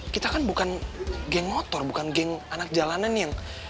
kita kan bukan geng motor bukan geng anak jalanan yang